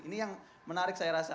ini yang menarik saya rasa